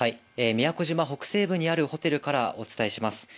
宮古島北西部にあるホテルからお伝えします。